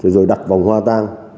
rồi đặt vòng hoa tang